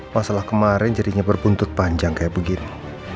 masalah kemarin jadinya berbuntut panjang kayak begini